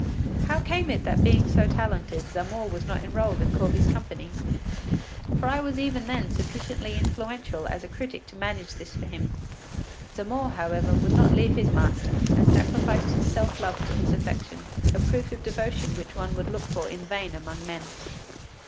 ” How came it that being so talented, Zamore was not enrolled in Corvi’s company? For I was even then sufficiently influential as a critic to manage this for him. Zamore, however, would not leave his master, and sacrificed his self love to his affection, a proof of devotion which one would look for in vain among men.